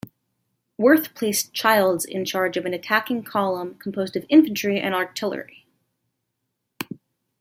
Worth placed Childs in charge of an attacking column composed of infantry and artillery.